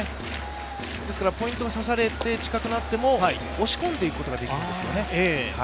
ポイントがさされて近くなっても押し込んでいくことができるんですよね。